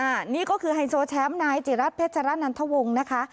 อ่านี่ก็คือไฮโซแชมป์นายจิรัฐเพชรรัฐนันทวงศ์นะคะ